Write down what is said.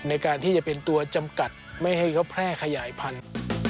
ในการที่จะเป็นตัวจำกัดไม่ให้เขาแพร่ขยายพันธุ์